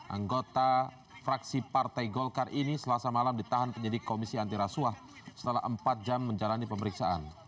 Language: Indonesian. anggota fraksi partai golkar ini selasa malam ditahan penyidik komisi antirasuah setelah empat jam menjalani pemeriksaan